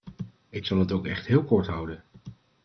Ik zal het ook echt heel kort houden.